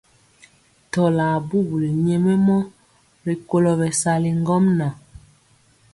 Tɔlar bubuli nyɛmemɔ rikolo bɛsali ŋgomnaŋ.